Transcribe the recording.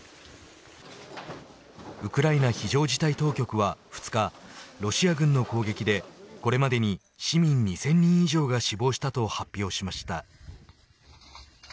ウクライナ非常事態当局は２日ロシア軍の攻撃でこれまでに市民２０００人以上が死亡したと発表しました。